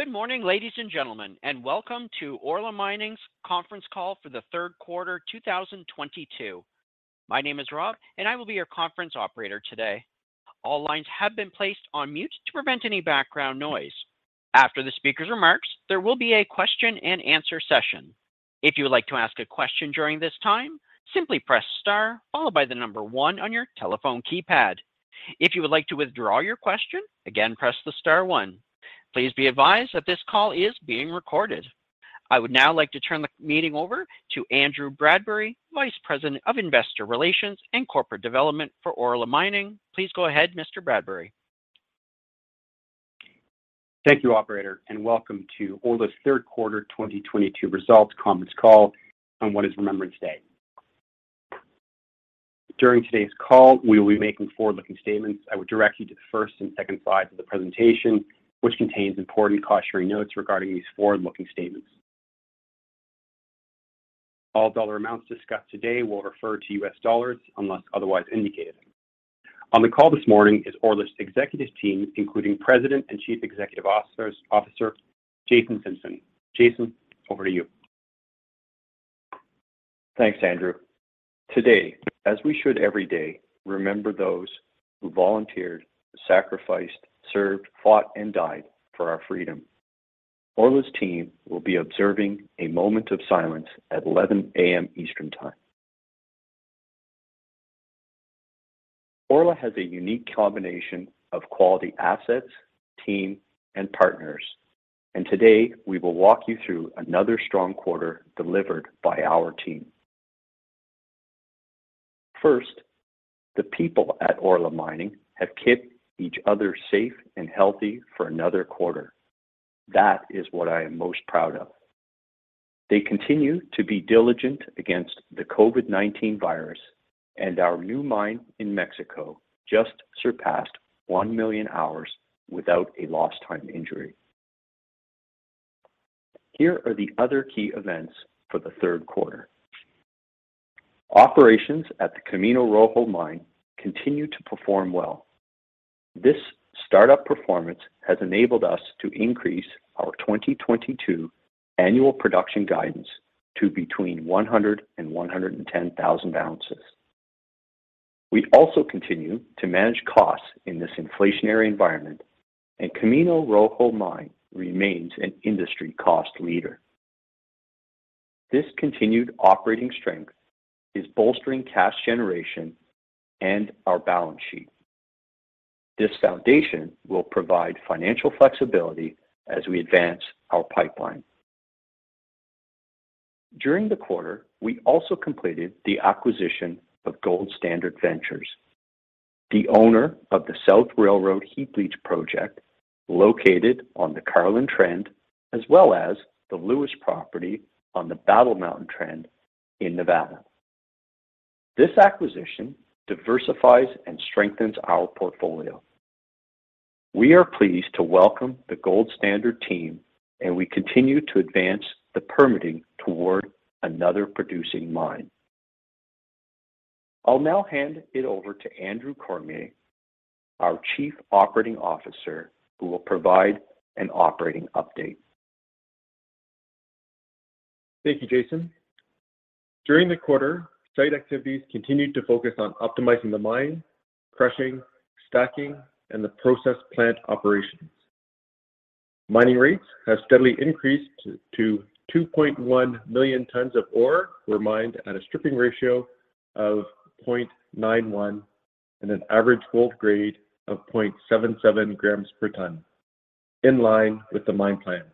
Good morning, ladies and gentlemen, and welcome to Orla Mining's conference call for the third quarter, 2022. My name is Rob, and I will be your conference operator today. All lines have been placed on mute to prevent any background noise. After the speaker's remarks, there will be a question-and-answer session. If you would like to ask a question during this time, simply press star, followed by the number one on your telephone keypad. If you would like to withdraw your question, again, press the star one. Please be advised that this call is being recorded. I would now like to turn the meeting over to Andrew Bradbury, Vice President of Investor Relations and Corporate Development for Orla Mining. Please go ahead, Mr. Bradbury. Thank you, operator, and welcome to Orla's Third Quarter 2022 Results Conference Call on what is Remembrance Day. During today's call, we will be making forward-looking statements. I would direct you to the first and second slides of the presentation, which contains important cautionary notes regarding these forward-looking statements. All dollar amounts discussed today will refer to U.S. dollars unless otherwise indicated. On the call this morning is Orla's executive team, including President and Chief Executive Officer Jason Simpson. Jason, over to you. Thanks, Andrew. Today, as we should every day, remember those who volunteered, sacrificed, served, fought, and died for our freedom. Orla's team will be observing a moment of silence at 11:00 A.M. Eastern Time. Orla has a unique combination of quality assets, team, and partners, and today we will walk you through another strong quarter delivered by our team. First, the people at Orla Mining have kept each other safe and healthy for another quarter. That is what I am most proud of. They continue to be diligent against the COVID-19 virus, and our new mine in Mexico just surpassed 1 million hours without a lost time injury. Here are the other key events for the third quarter. Operations at the Camino Rojo mine continue to perform well. This startup performance has enabled us to increase our 2022 annual production guidance to between 100,000 oz and 110,000 oz. We also continue to manage costs in this inflationary environment, and Camino Rojo mine remains an industry cost leader. This continued operating strength is bolstering cash generation and our balance sheet. This foundation will provide financial flexibility as we advance our pipeline. During the quarter, we also completed the acquisition of Gold Standard Ventures, the owner of the South Railroad heap leach project located on the Carlin Trend, as well as the Lewis property on the Battle Mountain Trend in Nevada. This acquisition diversifies and strengthens our portfolio. We are pleased to welcome the Gold Standard team, and we continue to advance the permitting toward another producing mine. I'll now hand it over to Andrew Cormier, our Chief Operating Officer, who will provide an operating update. Thank you, Jason. During the quarter, site activities continued to focus on optimizing the mine, crushing, stacking, and the process plant operations. Mining rates have steadily increased to 2.1 million tons of ore were mined at a stripping ratio of 0.91 g and an average gold grade of 0.77 g per ton, in line with the mine plan.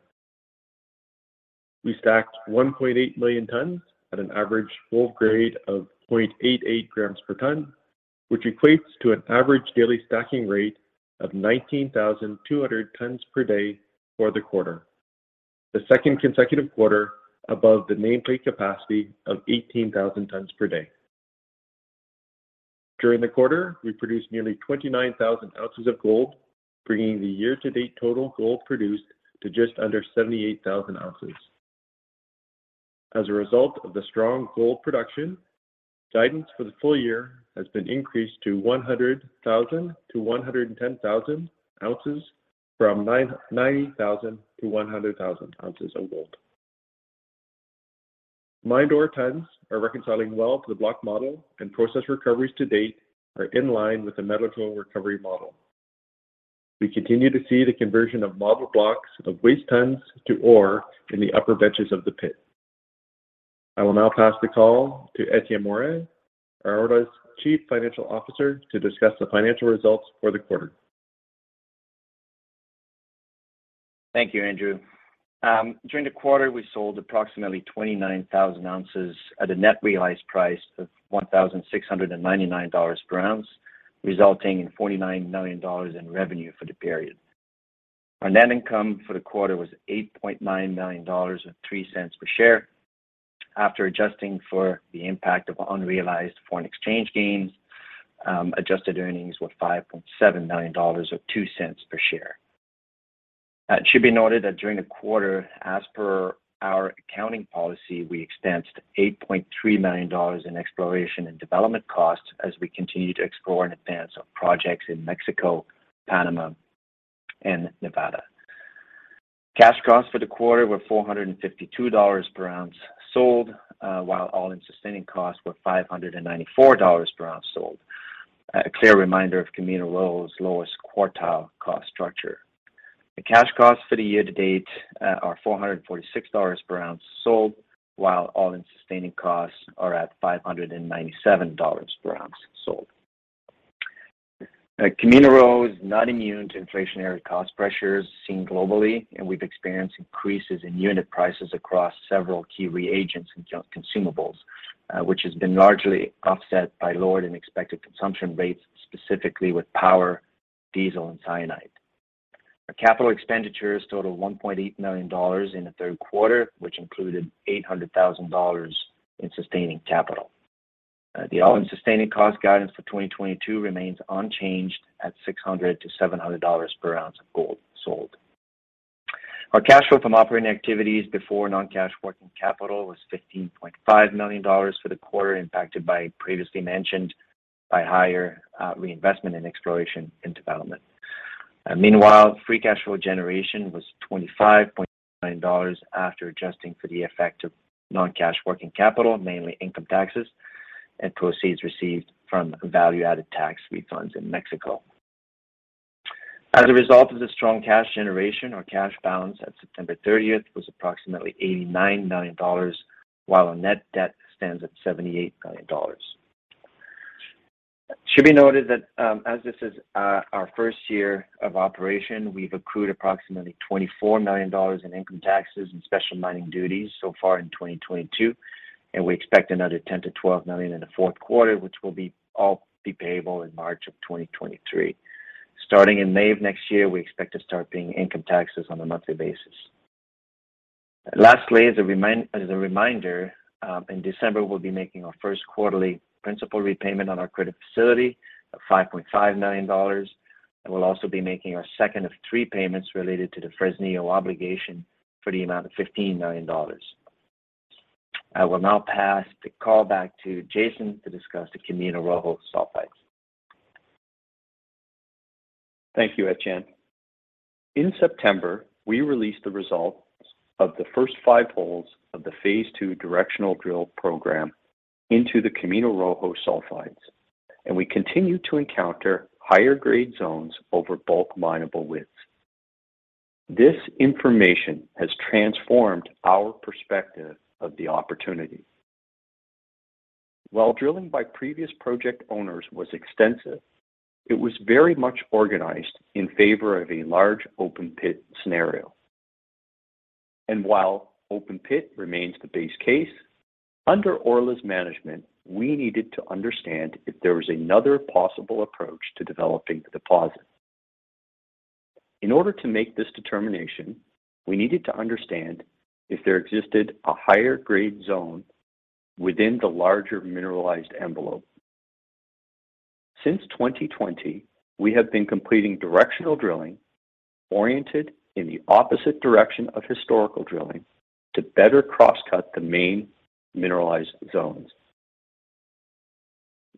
We stacked 1.8 million tons at an average gold grade of 0.88 g per ton, which equates to an average daily stacking rate of 19,200 tons per day for the quarter, the second consecutive quarter above the nameplate capacity of 18,000 tons per day. During the quarter, we produced nearly 29,000 oz of gold, bringing the year-to-date total gold produced to just under 78,000 oz. As a result of the strong gold production, guidance for the full year has been increased to 100,000 oz-110,000 oz from 90,000 oz-100,000 oz of gold. Mined ore tons are reconciling well to the block model, and process recoveries to date are in line with the metal recovery model. We continue to see the conversion of model blocks of waste tons to ore in the upper benches of the pit. I will now pass the call to Etienne Morin, Orla's Chief Financial Officer, to discuss the financial results for the quarter. Thank you, Andrew. During the quarter, we sold approximately 29,000 oz at a net realized price of $1,699 per ounce, resulting in $49 million in revenue for the period. Our net income for the quarter was $8.9 million and $0.03 per share. After adjusting for the impact of unrealized foreign exchange gains, adjusted earnings were $5.7 million or $0.02 per share. It should be noted that during the quarter, as per our accounting policy, we expensed $8.3 million in exploration and development costs as we continue to explore and advance our projects in Mexico, Panama, and Nevada. Cash costs for the quarter were $452 per ounce sold, while all-in sustaining costs were $594 per ounce sold. A clear reminder of Camino Rojo's lowest quartile cost structure. The cash costs for the year to date are $446 per ounce sold, while all-in sustaining costs are at $597 per ounce sold. Camino Rojo is not immune to inflationary cost pressures seen globally, and we've experienced increases in unit prices across several key reagents and consumables, which has been largely offset by lower than expected consumption rates, specifically with power, diesel and cyanide. Our capital expenditures total $1.8 million in the third quarter, which included $800,000 in sustaining capital. The all-in sustaining cost guidance for 2022 remains unchanged at $600-$700 per ounce of gold sold. Our cash flow from operating activities before non-cash working capital was $15.5 million for the quarter impacted by previously mentioned higher reinvestment in exploration and development. Meanwhile, free cash flow generation was $25.9 million after adjusting for the effect of non-cash working capital, mainly income taxes and proceeds received from value-added tax refunds in Mexico. As a result of the strong cash generation, our cash balance at September 30 was approximately $89 million, while our net debt stands at $78 million. It should be noted that as this is our first year of operation, we've accrued approximately $24 million in income taxes and Special Mining Duty so far in 2022, and we expect another $10 million-$12 million in the fourth quarter, which will all be payable in March of 2023. Starting in May of next year, we expect to start paying income taxes on a monthly basis. Lastly, as a reminder, in December, we'll be making our first quarterly principal repayment on our credit facility of $5.5 million. We'll also be making our second of three payments related to the Fresnillo obligation for the amount of $15 million. I will now pass the call back to Jason to discuss the Camino Rojo Sulphides. Thank you, Etienne. In September, we released the results of the first five holes of the phase II directional drill program into the Camino Rojo Sulphides, and we continue to encounter higher grade zones over bulk minable widths. This information has transformed our perspective of the opportunity. While drilling by previous project owners was extensive, it was very much organized in favor of a large open pit scenario. While open pit remains the base case, under Orla's management, we needed to understand if there was another possible approach to developing the deposit. In order to make this determination, we needed to understand if there existed a higher grade zone within the larger mineralized envelope. Since 2020, we have been completing directional drilling oriented in the opposite direction of historical drilling to better crosscut the main mineralized zones.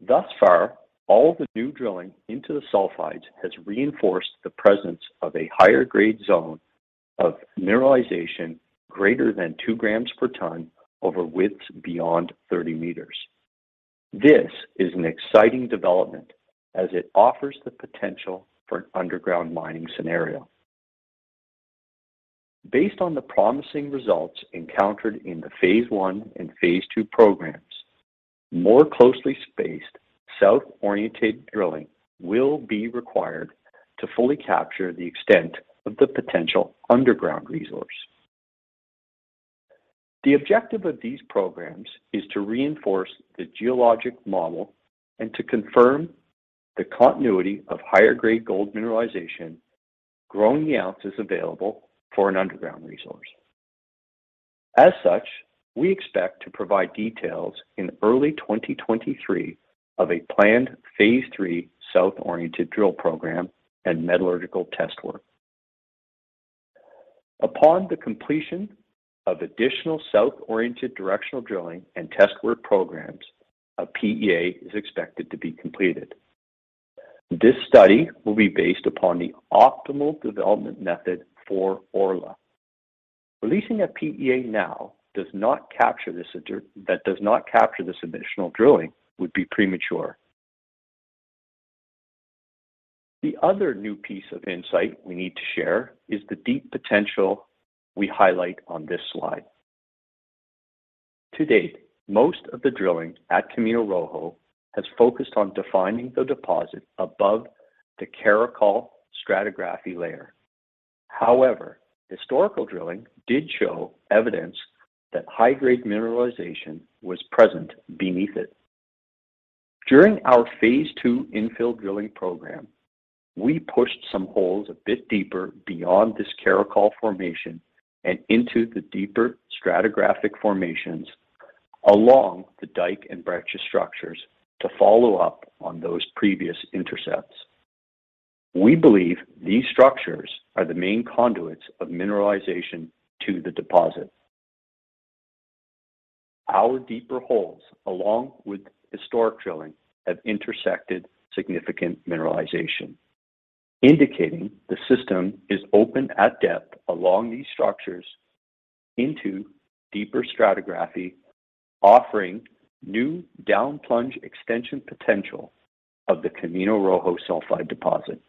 Thus far, all the new drilling into the sulphides has reinforced the presence of a higher grade zone of mineralization greater than 2 g per ton over widths beyond 30 m. This is an exciting development as it offers the potential for an underground mining scenario. Based on the promising results encountered in the phase I and phase II programs, more closely spaced south-oriented drilling will be required to fully capture the extent of the potential underground resource. The objective of these programs is to reinforce the geologic model and to confirm the continuity of higher grade gold mineralization, growing the ounces available for an underground resource. As such, we expect to provide details in early 2023 of a planned phase III south-oriented drill program and metallurgical test work. Upon the completion of additional south-oriented directional drilling and test work programs, a PEA is expected to be completed. This study will be based upon the optimal development method for Orla. Releasing a PEA now that does not capture this additional drilling would be premature. The other new piece of insight we need to share is the deep potential we highlight on this slide. To date, most of the drilling at Camino Rojo has focused on defining the deposit above the Caracol stratigraphy layer. However, historical drilling did show evidence that high-grade mineralization was present beneath it. During our phase II infill drilling program, we pushed some holes a bit deeper beyond this Caracol Formation and into the deeper stratigraphic formations along the dike and breccia structures to follow up on those previous intercepts. We believe these structures are the main conduits of mineralization to the deposit. Our deeper holes, along with historic drilling, have intersected significant mineralization, indicating the system is open at depth along these structures into deeper stratigraphy, offering new down plunge extension potential of the Camino Rojo Sulphide deposit.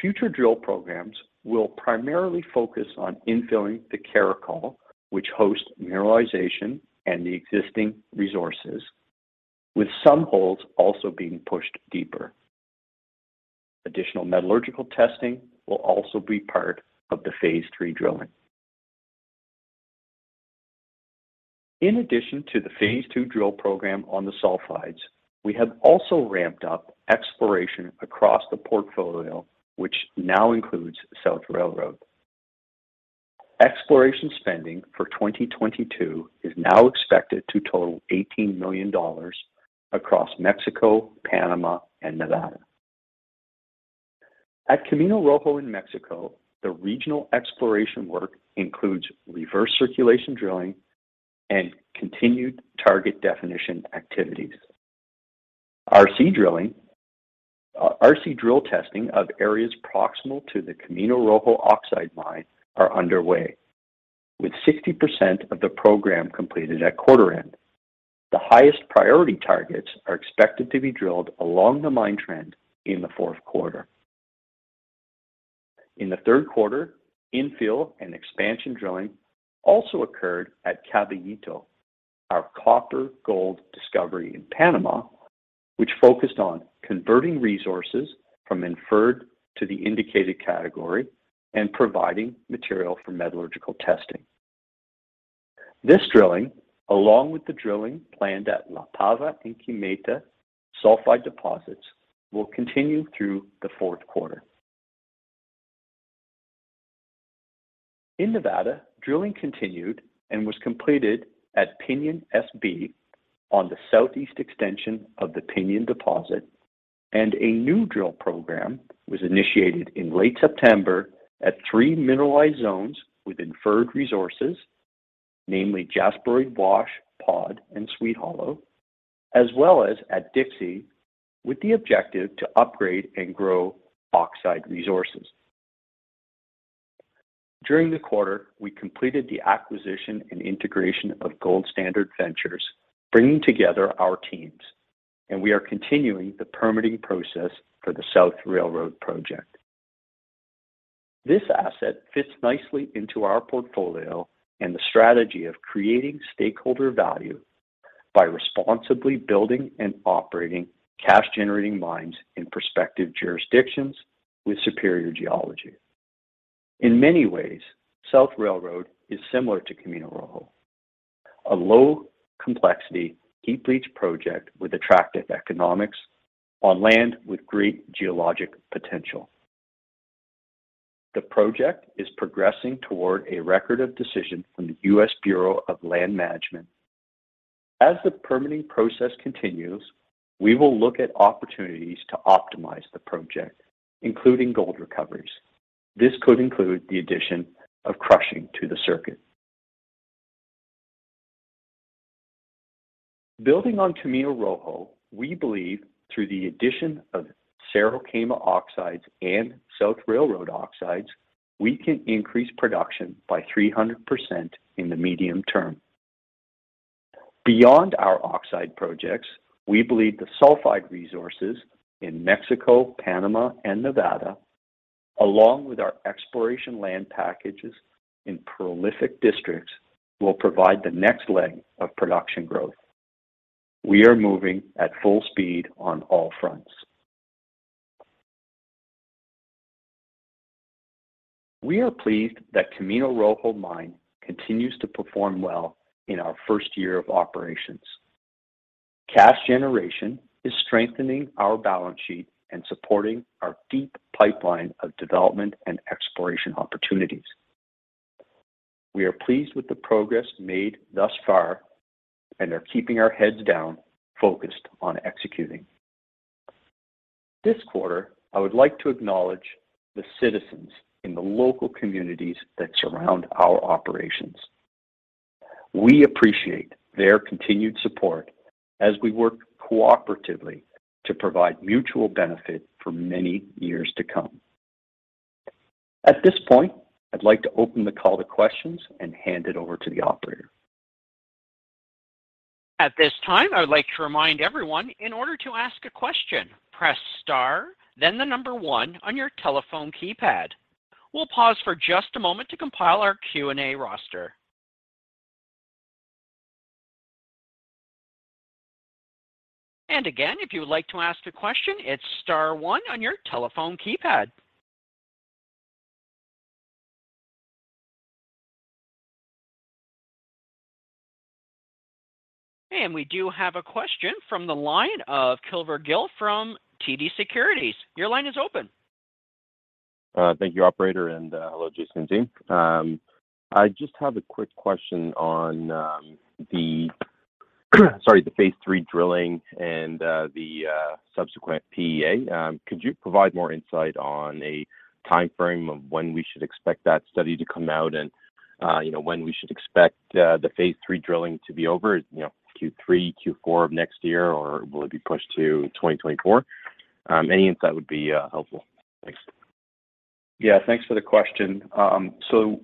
Future drill programs will primarily focus on infilling the Caracol, which hosts mineralization and the existing resources, with some holes also being pushed deeper. Additional metallurgical testing will also be part of the phase III drilling. In addition to the phase II drill program on the sulphides, we have also ramped up exploration across the portfolio, which now includes South Railroad. Exploration spending for 2022 is now expected to total $18 million across Mexico, Panama, and Nevada. At Camino Rojo in Mexico, the regional exploration work includes reverse circulation drilling and continued target definition activities. RC drilling, RC drill testing of areas proximal to the Camino Rojo oxide mine are underway, with 60% of the program completed at quarter end. The highest priority targets are expected to be drilled along the mine trend in the fourth quarter. In the third quarter, infill and expansion drilling also occurred at Caballito, our copper gold discovery in Panama, which focused on converting resources from inferred to the indicated category and providing material for metallurgical testing. This drilling, along with the drilling planned at La Pava and Quemita Sulphide deposits, will continue through the fourth quarter. In Nevada, drilling continued and was completed at Pinion SB on the southeast extension of the Pinion deposit, and a new drill program was initiated in late September at three mineralized zones with inferred resources, namely Jasperoid Wash, POD, and Sweet Hollow, as well as at Dixie, with the objective to upgrade and grow oxide resources. During the quarter, we completed the acquisition and integration of Gold Standard Ventures, bringing together our teams, and we are continuing the permitting process for the South Railroad project. This asset fits nicely into our portfolio and the strategy of creating stakeholder value by responsibly building and operating cash-generating mines in prospective jurisdictions with superior geology. In many ways, South Railroad is similar to Camino Rojo, a low complexity heap leach project with attractive economics on land with great geologic potential. The project is progressing toward a Record of Decision from the U.S. Bureau of Land Management. As the permitting process continues, we will look at opportunities to optimize the project, including gold recoveries. This could include the addition of crushing to the circuit. Building on Camino Rojo, we believe through the addition of Cerro Quema oxides and South Railroad oxides, we can increase production by 300% in the medium term. Beyond our oxide projects, we believe the sulphide resources in Mexico, Panama, and Nevada, along with our exploration land packages in prolific districts, will provide the next leg of production growth. We are moving at full speed on all fronts. We are pleased that Camino Rojo mine continues to perform well in our first year of operations. Cash generation is strengthening our balance sheet and supporting our deep pipeline of development and exploration opportunities. We are pleased with the progress made thus far and are keeping our heads down, focused on executing. This quarter, I would like to acknowledge the citizens in the local communities that surround our operations. We appreciate their continued support as we work cooperatively to provide mutual benefit for many years to come. At this point, I'd like to open the call to questions and hand it over to the operator. At this time, I would like to remind everyone in order to ask a question, press star, then the number one on your telephone keypad. We'll pause for just a moment to compile our Q&A roster. Again, if you would like to ask a question, it's star one on your telephone keypad. We do have a question from the line of Kulvir Gill from TD Securities. Your line is open. Thank you, operator, and hello, Jason and team. I just have a quick question on the phase III drilling and the subsequent PEA. Could you provide more insight on a timeframe of when we should expect that study to come out and, you know, when we should expect the phase III drilling to be over? You know, Q3, Q4 of next year, or will it be pushed to 2024? Any insight would be helpful. Thanks. Yeah, thanks for the question. So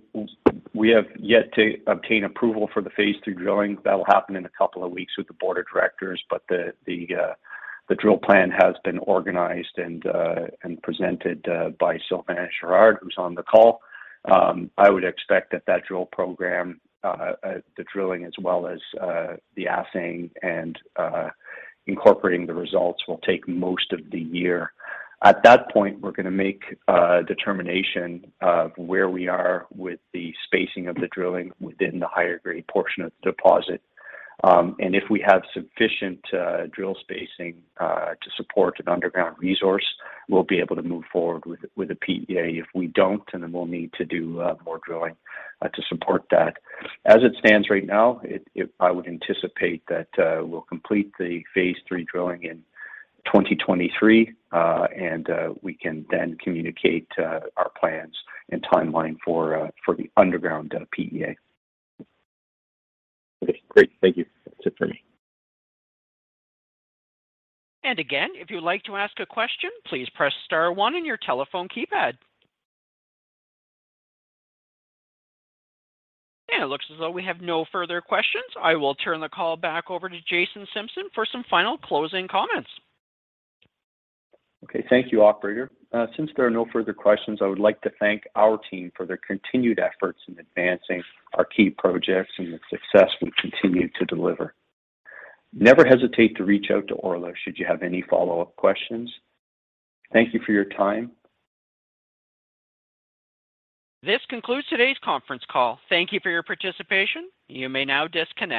we have yet to obtain approval for the phase II drilling. That will happen in a couple of weeks with the Board of Directors, but the drill plan has been organized and presented by Sylvain Guerard, who's on the call. I would expect that drill program, the drilling as well as the assaying and incorporating the results will take most of the year. At that point, we're gonna make a determination of where we are with the spacing of the drilling within the higher grade portion of the deposit. And if we have sufficient drill spacing to support an underground resource, we'll be able to move forward with a PEA. If we don't, then we'll need to do more drilling to support that. As it stands right now, I would anticipate that we'll complete the phase III drilling in 2023. We can then communicate our plans and timeline for the underground PEA. Okay, great. Thank you. That's it for me. Again, if you'd like to ask a question, please press star one on your telephone keypad. It looks as though we have no further questions. I will turn the call back over to Jason Simpson for some final closing comments. Okay. Thank you, operator. Since there are no further questions, I would like to thank our team for their continued efforts in advancing our key projects and the success we continue to deliver. Never hesitate to reach out to Orla should you have any follow-up questions. Thank you for your time. This concludes today's conference call. Thank you for your participation. You may now disconnect.